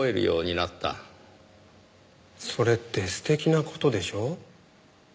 それって素敵な事でしょう？